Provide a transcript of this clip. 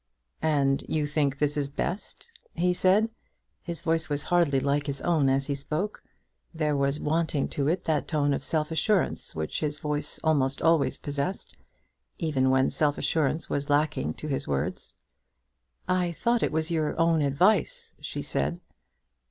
"And you think this is best?" he said. His voice was hardly like his own as he spoke. There was wanting to it that tone of self assurance which his voice almost always possessed, even when self assurance was lacking to his words. "I thought it was your own advice," she said.